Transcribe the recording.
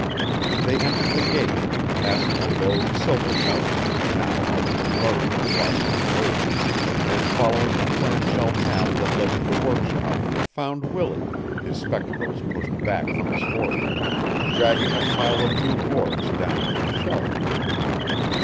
They entered the gate, passed the low, silvered house now almost buried in blossoming roses, and following the clam shell path that led to the workshop found Willie, his spectacles pushed back from his forehead, dragging a pile of new boards down from the shelf.